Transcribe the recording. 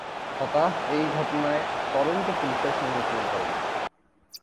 Fattah এই ঘটনায় Toronto পুলিশের সমালোচনা করেন।